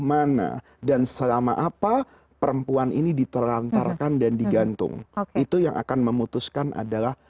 mana dan selama apa perempuan ini ditelantarkan dan digantung itu yang akan memutuskan adalah